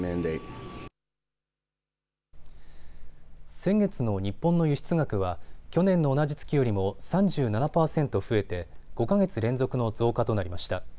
先月の日本の輸出額は去年の同じ月よりも３７％増えて５か月連続の増加となりました。